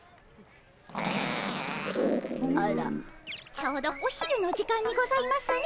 ちょうどお昼の時間にございますね。